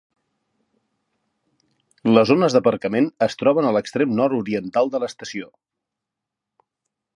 Les zones d'aparcament es troben a l'extrem nord-oriental de l'estació.